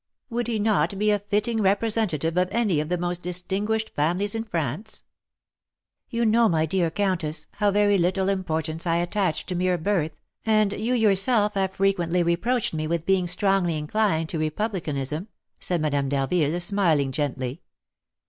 Would he not be a fitting representative of any of the most distinguished families in France?" "You know, my dear countess, how very little importance I attach to mere birth, and you yourself have frequently reproached me with being strongly inclined to republicanism," said Madame d'Harville, smiling gently.